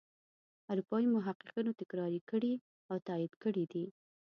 اروپايي محققینو تکرار کړي او تایید کړي دي.